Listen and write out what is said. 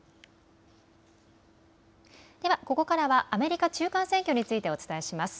ではここからはアメリカ中間選挙についてお伝えします。